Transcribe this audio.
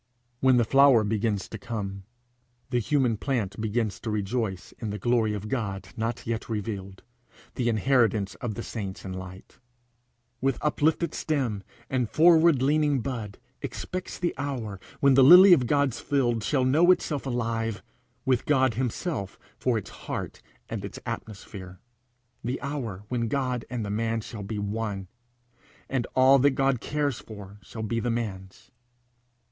When the flower begins to come, the human plant begins to rejoice in the glory of God not yet revealed, the inheritance of the saints in light; with uplifted stem and forward leaning bud expects the hour when the lily of God's field shall know itself alive, with God himself for its heart and its atmosphere; the hour when God and the man shall be one, and all that God cares for shall be the man's.